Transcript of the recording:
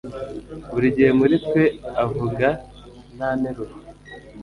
Buri gihe muri twe avuga nta nteruro